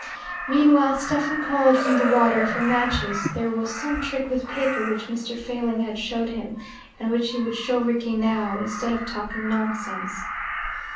Meanwhile Stephen called from the water for matches: there was some trick with paper which Mr. Failing had showed him, and which he would show Rickie now, instead of talking nonsense.